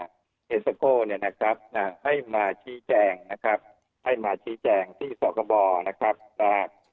เนี้ยนะครับอ่าให้มาชี้แจงนะครับให้มาชี้แจงที่ศาลกบนะครับอ่า